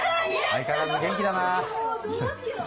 相変わらず元気だなあ。